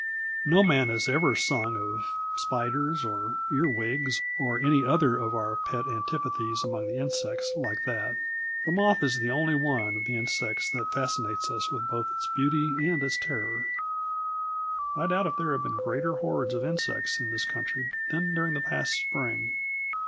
No man has ever sung of spiders or earwigs or any other of our pet antipathies among the insects like that. The moth is the only one of the insects that fascinates us with both its beauty and its terror. I doubt if there have ever been greater hordes of insects in this country than during the past spring.